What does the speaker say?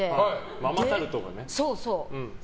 ママタルトのね。